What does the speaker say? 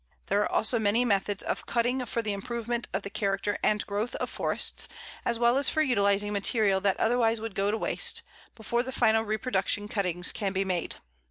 There are also many methods of cutting for the improvement of the character and growth of forests, as well as for utilizing material that otherwise would go to waste, before the final reproduction cuttings can be made.